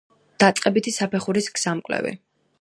დაწყებითი საფეხურის გზამკვლევი